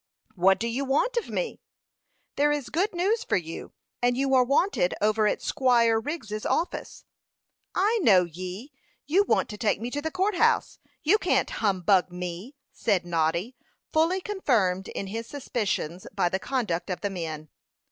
"What do you want of me?" "There is good news for you; and you are wanted over at Squire Wriggs's office." "I know ye! You want to take me to the court house. You can't humbug me," said Noddy, fully confirmed in his suspicions by the conduct of the men.